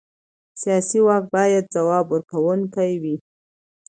سیاسي واک باید ځواب ورکوونکی وي